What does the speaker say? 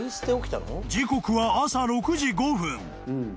［時刻は朝６時５分］